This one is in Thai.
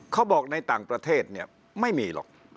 เขาบอกในต่างประเทศเนี่ยไม่มีหรอก